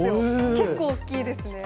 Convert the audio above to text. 結構大きいですね。